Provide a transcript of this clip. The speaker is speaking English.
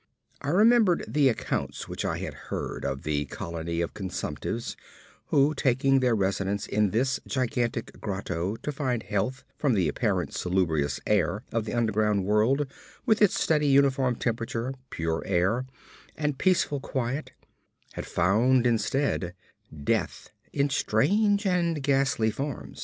I remembered the accounts which I had heard of the colony of consumptives, who, taking their residence in this gigantic grotto to find health from the apparently salubrious air of the underground world, with its steady, uniform temperature, pure air, and peaceful quiet, had found, instead, death in strange and ghastly form.